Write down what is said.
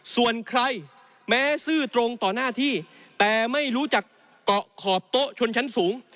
ส่วนใครแม้ซื่อตรงต่อหน้าที่แต่ไม่รู้จักเกาะขอบโต๊ะชนชั้นสูง